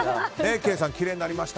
ケイさん、きれいになりました。